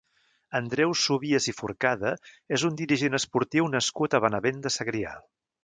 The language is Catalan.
Andreu Subies i Forcada és un dirigent esportiu nascut a Benavent de Segrià.